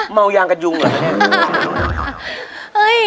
เมายางกันยุงเหรอคะเนี่ย